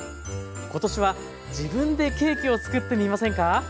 今年は自分でケーキを作ってみませんか。